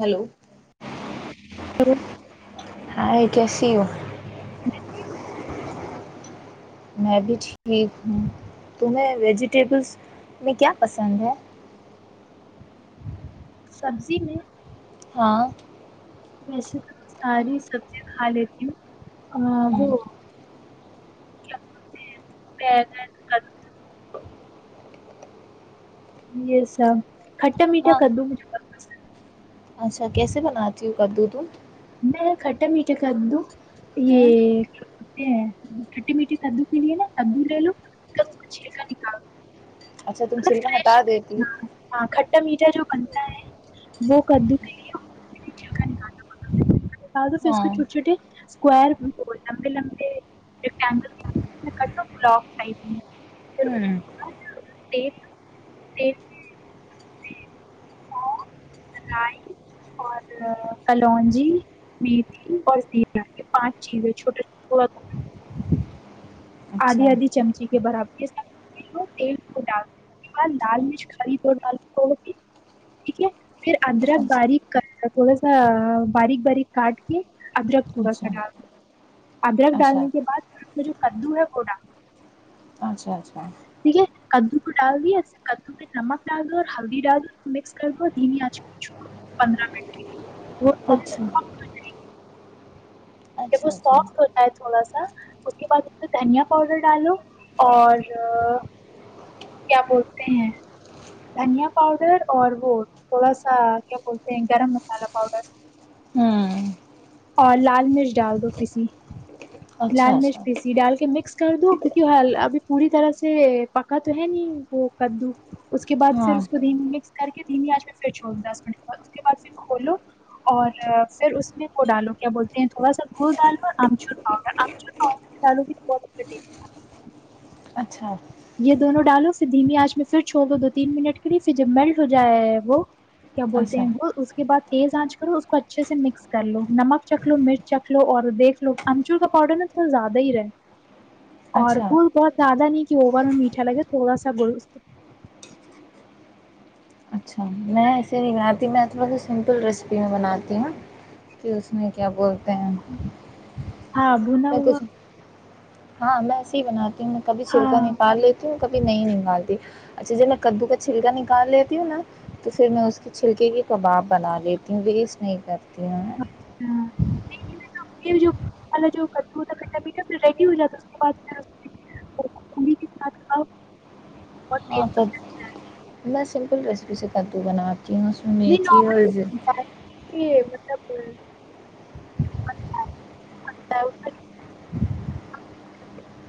hello تو [inaudible] کیسیو [unintelligible] میں بھی ٹھیک ہوں تمہیں ویجیٹیبلس میں کیا پسند ہے سبزی میں ہاں ویسے تو ساری سبزیا کھا لیتی ہوں ہ [inaudible] پگ ک یہ سب کھٹا میٹا ہاں کدو مھا [inaudible] اچھا کیسے بناتی ہوں کدو دودھ میں کھٹا میٹھے کددو ہ یہ کیا کہتے ہیں کھٹے میٹھے کدو کے لیے نا کدو لے لو ک چھیلکا نکالو اچھا تم سلوا ہٹا دیتی چٹا میٹھا جو بنتا ہے وہ کدو کے لیےل کا نکالنا پڑتا ہے تو ف اس ہاں چھٹ چھوے اسکور لمبے لمبے ریکٹینگل بک ٹ ہوں ہ رائی اور کلونجی میتھی اور زیرا یہ پانچ چیزیں چھوٹےوٹ ہوا آدھی اچھا آدھی چمچی کے برابر یہ سب تیل کو ڈالا لال مرچ کری تو ڈال ٹھیک ہے پھر ادرک اچھا باریک تھوڑا سا باریک باریک کاٹ کے ادرکت ہوگا س اچھا ڈ ادرک اچھا اچھا ڈالنے کے بعد جو کدو ہے ہوڈا اچھا اچھا ٹھیک ہے کدو کو ڈال دیا ایسے کدو میں نمک ڈالو اور ہلدی ڈال دو مکس کر دو اور دمی آچ کو چھو دو پندرہ منٹ کے وہ تھوڑی دیر اچھا کہ وہ اچھا ہوں سافٹ ہوتا ہے تھوڑا سا اس کے بعد اس دھنیا پاؤڈر ڈالو اور کیا بولتے ہیں دھنیا پاؤڈر اور وہ تھوڑا سا کیا بولتے ہیں گرم مسالہ پاؤڈر اور لال مرچ ڈال دو پیسی اچھا لال مرچ اچھا پیسی ڈال کے مکس کر دو کیک حال ابھی پوری طرح سے پکا تو ہے نہیں وہ کدو اس کے بعد پھر ہاں اس کو دین مکس کر کے دھیمی آچ میں پھر چھو دس منٹ کے بعد اس کے بعد پھر کھولو اور پھر اس میں کو ڈالو کیا بولتے ہیں تھوڑا سا گڑ ڈالو آمچور پاؤڈر آمچور پاؤڈر ڈالو بھی بہت اچھا ٹی اچھا یہ دونوں ڈالو پھر دھیمی آج میں پھر چھوڑ دو تین منٹ کے لیے پھر جب میلٹ ہو جائے ہے وہ کیا بولتے اچھا ہیں وہ اس کے بع تیز آنچ کر لو اس کو اچھے سے مکس کر لو نمک چکھ لو مرچ چکھ لو اور دیکھ لو امچور کا پاؤڈر نا تھوڑا زیادہ ہی رہے اور اچھا کو بہت زیادہ نہیں کہ اوور میں میٹھا لگے تھوڑا سا بول اس اچھا میں ایسے نہیں بناتی میں تھوڑا سا سمپل ریسیپی میں بناتی ہوں کہ اس میں کیا بول ہاں بونا میں ہوا کچھ [unintelligible] ہاں میں ایسے ہی بنااتا میں کھی ہاں چھلکا نہیں پال لیتی کبھی نہیں نکالتی اچھا جب میں کدو کا چھلکا نکال لیتی ہوں نا تو پھر میں اس کے چھلکے کے کباب بنا لیتی ہوں ویسٹ نہیں کرتی ہوں ہ جو جو ہوتابھی پھر ریڈی ہو جاتا اس بعد کےاتھ ہاں تو اللہس فل ریسیپی سے کدو بنا کے کیا ہاں سنی تھی عرض یہ مطلب [unintelligible]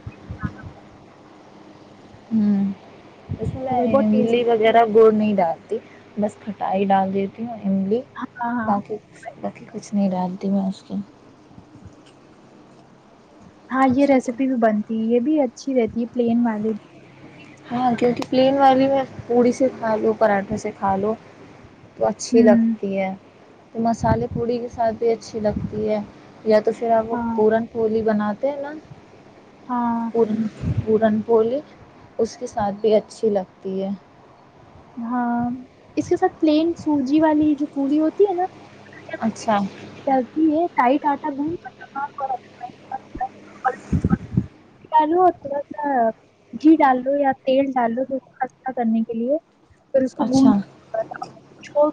تو ب بلی وغیرہ بول نہیں ڈالتی بس کھٹائی ڈال دیتی ہوں ایملی ہاں ہاں بقی باقی کچھ نہیں رات دی میں اس کی ہاں یہ ٹھیک ہے ریسیپی بھی بنتی ہے یہ بھی اچھی رہتی ہے پلین والی ہاں کیونکہ پلین والی میں پوڑی سے کھا لو پراٹھا سے کھا لو تو بھی اچھی ہوں لگتی ہے تو مسالحے پوڑی کے ساتھ بھی اچھی لگتی ہے یا تو پھر آپ وہ ہاں پورن پولی بنا اتے ہیں ن ہاں پورن پورن پلی اس کے ساتھ بھی اچھی لگتی ہے ہاں اس کے ساتھ پلین سوجی والی جو پوڑی ہوتی ہے نا اچھا چلتی ہے [unintelligible] ٹائٹ آٹا ب [inaudible] ڈالو اور تھوڑا سا جھی ڈال لو یا تیل ڈالو جو خستہ کرنے کے لیے پھر اس کو گون اچھا تھا چھوڑ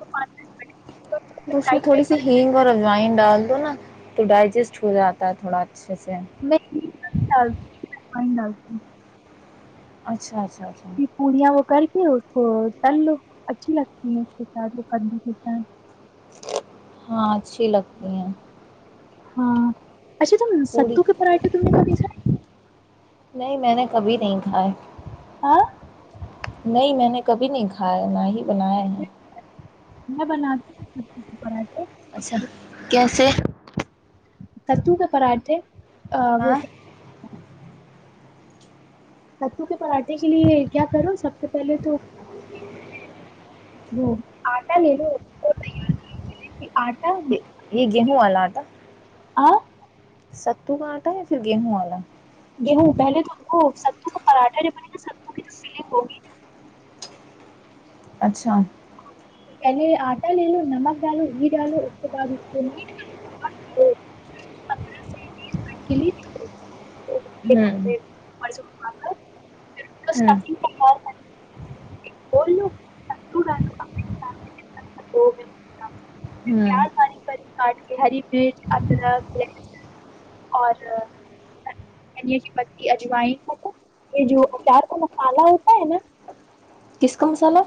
منٹ تو اس میں ٹائٹ تھوڑی سی ٹائٹ ہینگ اور اجوائن ڈال دو نا تو ڈائجسٹ ہو جاتا ہے تھوڑا اچھا سے [unintelligible] نہیں نال [unintelligible] اچھاچ یہ پڑیا و کر کی ہو تو تل لو اچھی لگتی ہیں اس کے ساتھ وہ کرنے کے ساتھ ہاں اچھی لگتی ہیں ہاں اچھا ت پوڑی ستو کے پراٹھے تم نے کبھی تھے نہیں میں نے کبھی نہیں کھاائے نہیں میں نے کبھی نہیں کھایا نہ ہی بنایا ہیں میں بنا کر [unintelligible] [unintelligible] اچھا کیسے کتو کے پراٹھے آ ہاں وہک [unintelligible] [unintelligible] ستو کے پراٹھے کے لیے کیا کرو سب سے پہلے تو وہ آٹا لے لو آٹا ہی گ ہو واللہ آٹا [unintelligible] آ [unintelligible] [inaudible] ستو کانٹا یا پھر گیہوں والا [unintelligible] گیہو پہلے تو ہم کو ستو کا پراٹھا جو بنے گا ستو کی تو سل ہو گی ن اچھا [unintelligible] کہنی آٹالو نمک دال گڈیاال اپت بادتنی کلیے [unintelligible] ہوں [unintelligible] مڑ سو آپ ہے [unintelligible] ہوں [unintelligible] ف [unintelligible] [unintelligible] بولو ہوں پار کے ہری مرچ ادرک اور کی پ اجوائن یہ جو پیار کا مسالہ ہوتا ہے نا [unintelligible] کس کا مسالحہ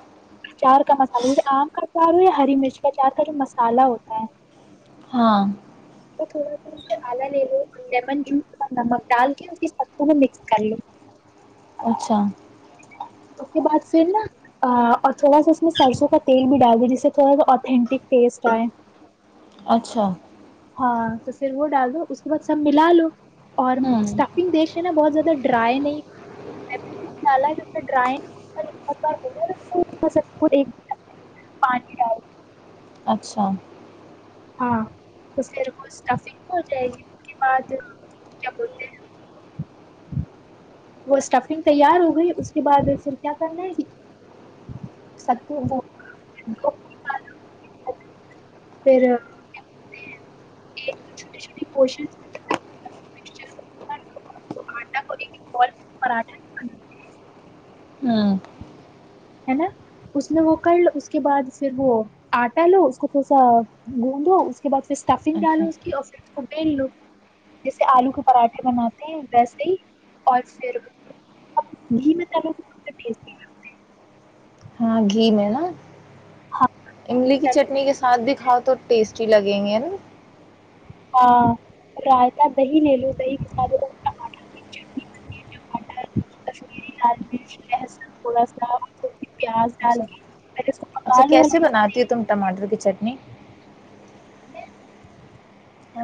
چار کا مسالہ جیسے آم کا چار ہو یا ہری مرچ کا چار کا جو مسالہ ہوتا ہے ہاں تو تھوڑا سا مسالا لے لو لیمن جوس اور نمک ڈال کے اس کی سب میں مکس کر لو اچھا اس کے بعد پھر نا تھوڑا سا اس میں سرسوں کا تیل بھی ڈال د جس سے تھوڑا سا اتھنٹک ٹیسٹ آئے اچھا ہاں تو پھر وہ ڈالو اس کو بعد سب ملا لو اور ہوں اسٹفنگ دیکھے نا بہت زیادہ ڈرائی نہیں ڈالا ہے ڈرائنگ پانی ڈال [unintelligible] [unintelligible] اچھا ہاں اس پ ر وہ اسٹفنگ ہو جائے گی کے بعد کیا بولتے ہیں [unintelligible] [unintelligible] وہ اسٹفنگ تیار ہو گئی اس کے بعد پھر کیا کرنا ہے کہ سب کو [unintelligible] پھر کیاتے ہیں چھوٹے چھوٹے پشنٹا پراٹھا [unintelligible] ہوں نا اس میں وہ کر ل اس کے بعد پھر وہ آٹا لو اس کو تھوڑا سا گوندھو اس کے بعد پھر اسٹفنگ اچھا ڈالو اس کی اور پھر اس کو بیل لو جیسے آلو کے پراٹھے بناتے ہیں ویسے ہی اور پھر گھی میںالو ٹیٹی ہاں گھی میں ہے نا ہاں املی کی تلو، چٹنی کے ساتھ بھی کھاؤ تو ٹیسٹی لگیں گے نا ہاں رائتا دہی لے لو دہی کے ساتھ ٹماٹر کی چٹنی بنتی ہے ٹماٹر کشمیری لال مرچ لہسن تھوڑا سا کی پیاز ڈال اچھا کے پہلے اس کو اچھا پکا لو کیسے ہلکی سے بناتی ہو تم ٹماٹر کی چٹنی نہیں [inaudible]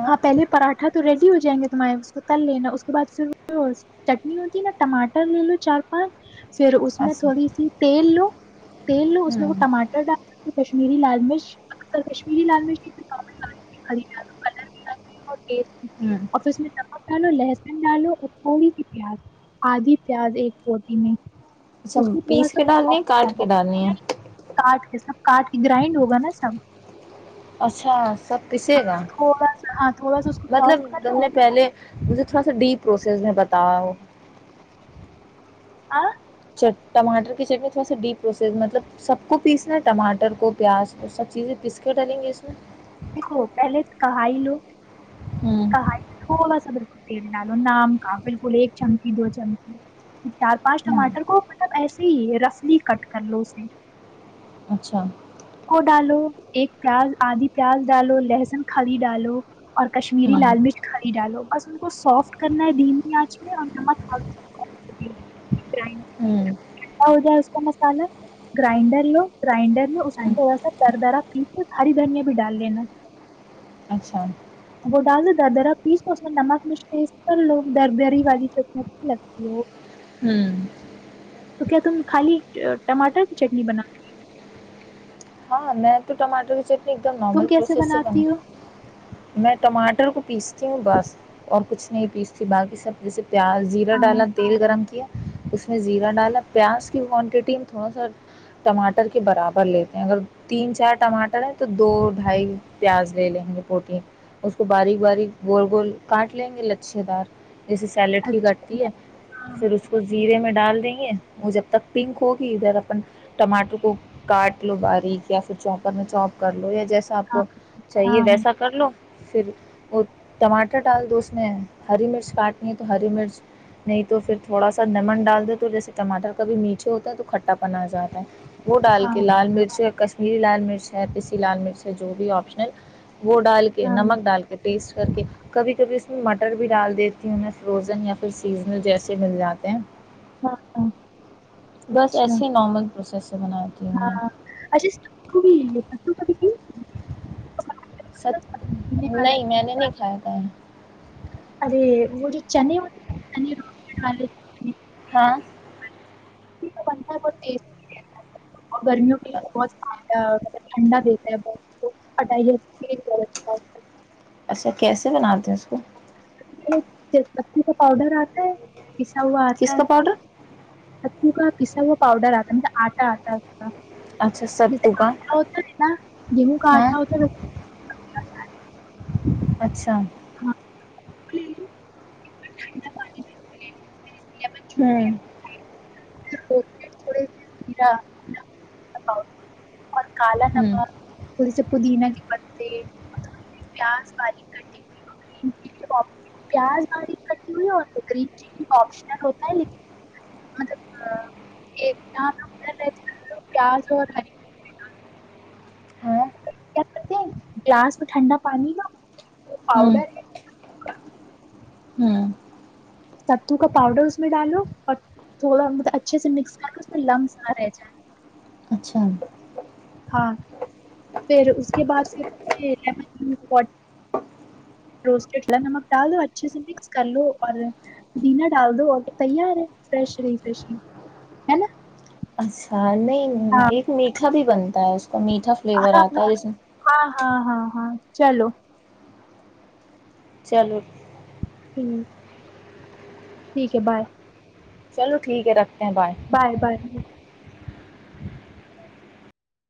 ہاں پہلے پراٹھا تو ریڈی ہو جائیں گے تمہارے اس کو تل لینا اس کے بعد پھر چٹنی ہوتی ہے نا ٹماٹر لے لو چار پانچ پھر اس میں اچھا تھوڑی سی تیل لو تیل لو اس میں وہ ہوں ٹاٹر ڈال کشمیری لال مرچ کشمیری لال مرچ ڈال کلر اور تز ہوں اور اس میں باب ڈالو لہسن ڈالو اور تھوڑی کی پیاز آدھی پیاز ایک روٹی میں اچھا اس کو تھوڑا پیس کے سا ڈالنی ہے سافٹ کاٹ کے ڈالنی ہے کرنا کاٹ کے سب کاٹ کے گرائنڈ ہوگا نا سب اچھا سب کچھ گا تھوڑا سا ہاں تھوڑا سا اس کو مطلب سافٹ کر لو تم اس نے کے پہلے م تھوڑا سا ڈیپ پروسیس میں بتاا ہ [inaudible] ٹاٹر کی چٹنی تھوڑا ڈیپ پروسیس مطلب سب کو پیسنا ہے ٹماٹر کو پیاز کو سب چیزیں پیس کے ڈلیں گے اس میں دو پہلے کہا ہی لو ہوں کہ تھوڑا سا بالکل تیل ڈالو نام کا بالکل ایک چمکی دو چمکی چار پانچ ہوں ٹماٹر کو مطلب ایسے ہی رفلی کٹ کر لو اسے اچھا وہ ڈالو ایک پیاز آدھی پیاز ڈالو لہسن خھی ڈالو اور کشمیری ہوں لال مرچھ ڈالو بس ان کو سافٹ کرنا ہے دمی آنچ میں اور نک ھڈا ہوں ہو جائے اس مسالہ گرنڈر لو گرائنڈر میں اس کو تھوڑا سا در درا پی ہ دھنیا بھی ڈال لینا اچھا وہ ڈال دیتا درا پیسو اس میں نمک مھس پر لوگ دردری والی چک لگتی وہ ہوں تو کیا تم خالی ٹماٹر کی چٹنی بنا ہاں نہیں تو ٹمٹر تنی ایک دم تم نارمل کیسے پروسیس سے بنا بناتی ہو میں ٹماٹر کو پیستی ہوں بس اور کچھ نہیں پیستی باقی سب جیسی پیاز زرا ڈالا ہاں تل گرم کیا اس میں زیرہ ڈالا پیاز کی کوانٹیٹی میں تھوڑا سا ٹماٹر کے برابر لیتے ہیں اگر تین چار ٹماٹر ہے تو دو ڈھائی پیاز لے لیں گے پوٹی اس کو باریک باریک گول گول کاٹ لیں گے لچھے دار جیسے سیلیڈ کی اچھا کٹتی ہے ہاں پھر اس کو زیرے میں ڈال وہ جب تک پنک ہوگی ادھر اپن ٹماٹر کو کاٹ لو باریک یا پھر چوپر میں چاپ کر لو یا جیسا آپ ہاں کو چاہیے ہاں ویسا کر لو پھر وہ ٹماٹر ڈال دو اس میں ہری مرچ کاٹنی ہے تو ہری مرچ نہیں تو پھر تھوڑا سا نمن ڈال دو تو جیسے ٹماٹر کبھی میچھے ہوتا ہیں تو کھٹا پن آ جاتا ہے وہ ڈال ہاں کے لال مرچ ہری لال مرچ ہے پسی لال مرچ ہے جو بھی آپشنل وہ ڈال کے ہاں نمک ڈال کے ٹیسٹ کر کے کبھی کبھی اس میں مٹر بھی ڈال دیتی ہوںہیں فروزن یا پھر سیزنل جیسے مل جاتے ہیں ہاں بس اچھا ایسے ہی نارمل پروسیس سے بناتی ہیں کڑی ک پ کی سچ پینے والا نہیں میں نے نہیں کھایا تھا ارے وہ جو چنے ہو چنے رنے والے ہاں بنت گتی اور گرمیوں کے لیے بہت طب ٹھنڈا دیتا ہے بٹ اچھا کیسے بناتے ہیں اس کو ایک چسمتی کا پاؤڈر آتا ہے پیسا ہوا کس آتا کا پاؤڈر ہے پو کا پسا ہوا پاؤڈر آتا ہے مطلب آٹا آتا اچھا جیسے ستو کا آٹا ہوتا ہے نا گیہوں کا ہاں آٹا ہوتا ہےسے اچھا ہاں ٹھنڈا پانی میں، لیمن ہوں ا کال ن ہوں پ پودینہ کے پتےب پیاز باریک کٹی چ پیاز باریک کٹی ہوئی ہے اور کرم چلی آپشنل ہوتا ہے لیکن مطلب یہر رہتے ہیں پیاز اور ہری ہاں کیا کرتے ہیں گلاس میں ٹھنڈا پانی نہ وہ ہوں پاؤڈر ہے ہوں ستو کا پاؤڈر اس میں ڈالو اور تھوڑا مطلب اچھے سے مکس کر لو اس میں لمس نہ رہ جائے اچھا ہاں پھر اس کے بعد پھر لین روٹی نمک ڈال دو اچھے سے مکس کر لو اور دینا ڈال دو اور تیار ہے فریش ری فریش ہے نا اچھا نہیں ہاں ایک مٹ بھی بنتا ہے اس میٹھا فلیور ہاں آتا ہے جس میں ہاں ہاں ہاں ہاں چلو چلو ہ ٹھیک ہے بائے چلو ٹھیک ہے رکھ بائے بائے